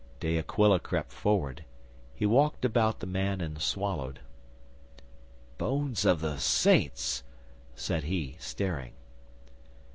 'De Aquila crept forward. He walked about the man and swallowed. '"Bones of the Saints!" said he, staring.